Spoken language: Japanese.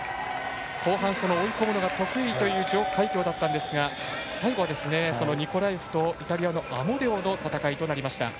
後半、追い込むのが得意という徐海蛟でしたが最後は、ニコラエフとイタリアのアモデオの戦いとなりました。